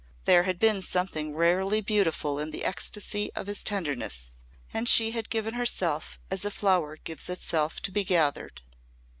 There had been something rarely beautiful in the ecstasy of his tenderness and she had given herself as a flower gives itself to be gathered.